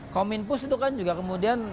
kominpus itu kan juga kemudian